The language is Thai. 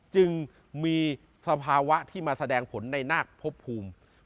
จึงมีสภาวะที่มาแสดงผลในนาคพบภูมิ